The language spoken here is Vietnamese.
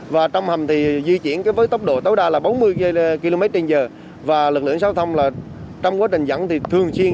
và trong hầm thì di chuyển với tốc độ tối đa là bốn mươi km trên giờ và lực lượng giao thông là trong quá trình dẫn thì thường xuyên